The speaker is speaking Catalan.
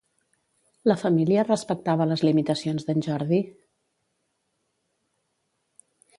La família respectava les limitacions d'en Jordi?